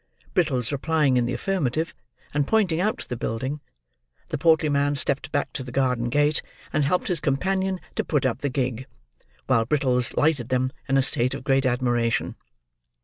Brittles replying in the affirmative, and pointing out the building, the portly man stepped back to the garden gate, and helped his companion to put up the gig: while Brittles lighted them, in a state of great admiration.